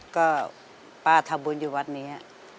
ก็ป้าทำบุญอยู่วัดนี้